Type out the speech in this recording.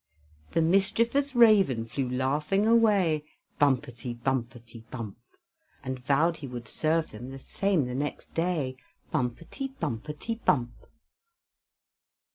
The mischievous raven Flew laughing away; Bumpety, bumpety, bump! And vowed he would serve them The same the next day; Bumpety, bumpety, bump!